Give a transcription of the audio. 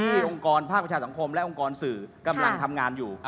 มีองค์กรภาคประชาสังคมและองค์กรสื่อกำลังทำงานอยู่